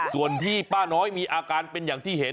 ส่วนที่ป้าน้อยมีอาการเป็นอย่างที่เห็น